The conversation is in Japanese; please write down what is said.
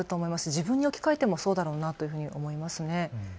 自分に置き換えてもそうだろうなというふうに思います。